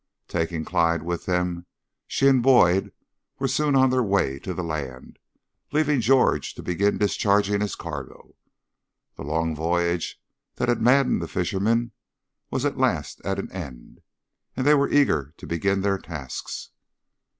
Taking Clyde with them, she and Boyd were soon on their way to the land, leaving George to begin discharging his cargo. The long voyage that had maddened the fishermen was at last at an end, and they were eager to begin their tasks.